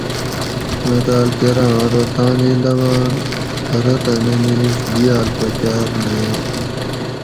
متاۤل کراۤں ارو تانی لباۤن رتہ نہ نِیڛ دِیاۤل پکاۤر نہ یاۤں